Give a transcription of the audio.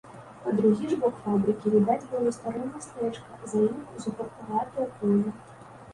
Па другі ж бок фабрыкі відаць было старое мястэчка, за ім узгоркаватае поле.